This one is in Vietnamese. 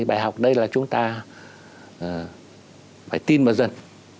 bài học đây là chúng ta phải tin vào dân